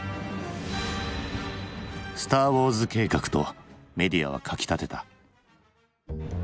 「スターウォーズ計画」とメディアは書きたてた。